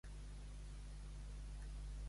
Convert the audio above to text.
Quan violes hi ha, les ninetes a confessar.